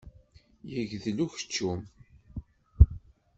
Yegdel ukeččum!